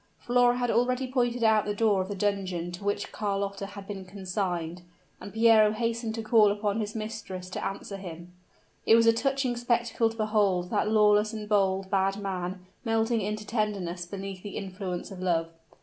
Flora had already pointed out the door of the dungeon to which Carlotta had been consigned; and Piero hastened to call upon his mistress to answer him. It was a touching spectacle to behold that lawless and bold, bad man melting into tenderness beneath the influence of love!